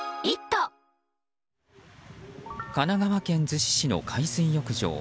神奈川県逗子市の海水浴場。